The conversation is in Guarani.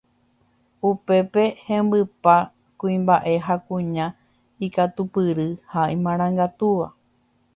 Upépe hembypa kuimba'e ha kuña ikatupyry ha imarangatúva